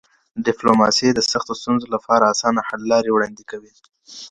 ډیپلوماسي د سختو ستونزو لپاره اسانه حل لارې وړاندې کوي.